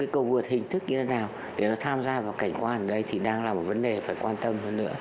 cầu vượt hình thức như thế nào để nó tham gia vào cảnh quan ở đây thì đang là một vấn đề phải quan tâm hơn nữa